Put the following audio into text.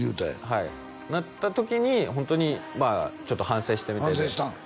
はいなった時にホントにまあちょっと反省したみたいで反省したん？